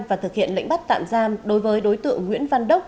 và thực hiện lệnh bắt tạm giam đối với đối tượng nguyễn văn đốc